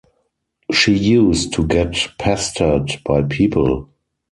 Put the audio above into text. She used to get pestered by people.